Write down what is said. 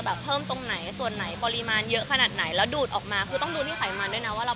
และคุณหมอก็จะบอกว่าของเรานี่มันควรจะแบบ